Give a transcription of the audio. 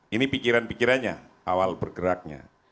ini pikiran pikirannya awal bergeraknya